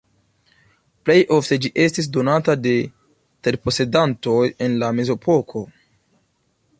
Plej ofte ĝi estis donata de terposedantoj en la Mezepoko.